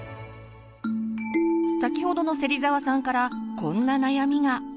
先ほどの芹澤さんからこんな悩みが。